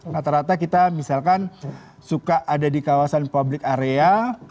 rata rata kita misalkan suka ada di kawasan public area